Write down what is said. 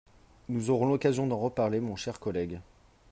Nous aurons l’occasion d’en reparler, mon cher collègue.